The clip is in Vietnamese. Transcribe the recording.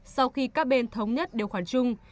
sau khi các bên thống nhất điều khoản chung